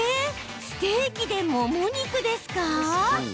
ステーキで、もも肉ですか？